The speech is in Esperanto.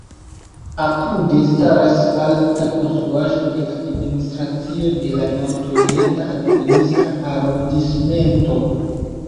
Apude staras alta konstruaĵo de administracio de la Nord-Orienta administra arondismento.